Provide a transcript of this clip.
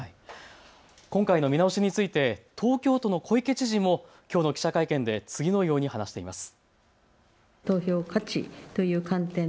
今回の見直しについて東京都の小池知事もきょうの記者会見で次のように話しています。